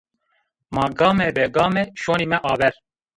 Ma game bi game şonîme aver